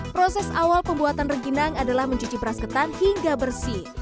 proses awal pembuatan reginang adalah mencuci beras ketan hingga bersih